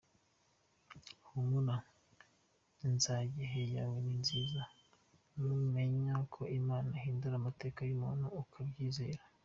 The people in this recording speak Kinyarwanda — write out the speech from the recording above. Humura, inzagihe yawe ni nziza, numenya ko Imana ihindura amateka y’umuntu ukabyizera.